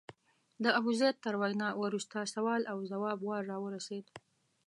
د ابوزید تر وینا وروسته سوال او ځواب وار راورسېد.